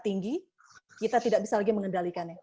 tinggi kita tidak bisa lagi mengendalikannya